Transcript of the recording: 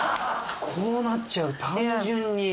こうなっちゃう単純に。